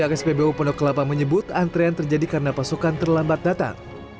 pihak spbu pondok kelapa menyebut antrean terjadi karena pasukan terlambat datang